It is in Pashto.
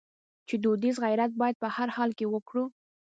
چې دودیز غیرت باید په هر حال کې وکړو.